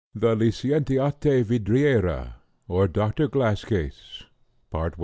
THE LICENTIATE VIDRIERA; OR, DOCTOR GLASS CASE.